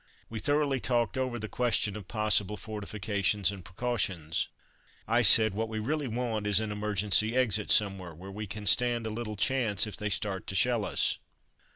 We thoroughly talked over the question of possible fortifications and precautions. I said, "What we really want is an emergency exit somewhere, where we can stand a little chance, if they start to shell us."